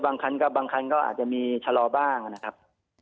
บางคันก็อาจจะมีชะลอบ้างนะครับ